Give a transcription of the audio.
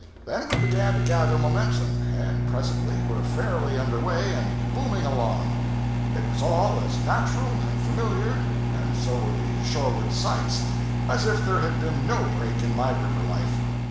Then we began to gather momentum, and presently were fairly under way and booming along. It was all as natural and familiar and so were the shoreward sights as if there had been no break in my river life.